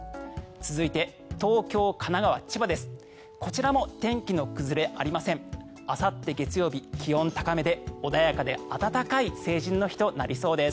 続いて東京、神奈川、千葉です。